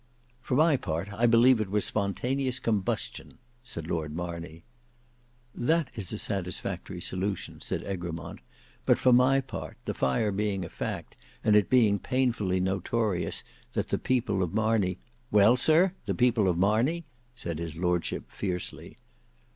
"For my part, I believe it was spontaneous combustion," said Lord Marney. "That is a satisfactory solution." said Egremont, "but for my part, the fire being a fact, and it being painfully notorious that the people of Marney—" "Well, sir, the people of Marney"—said his lordship fiercely.